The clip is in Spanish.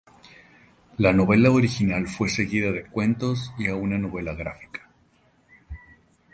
La novela original fue seguida de cuentos y una novela gráfica.